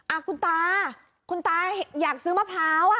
อ่ะคุณตาคุณตาอยากซื้อมะพร้าวอ่ะ